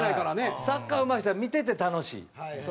サッカーうまい人は見てて楽しい。